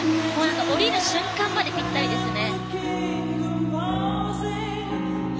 降りる瞬間までぴったりですね。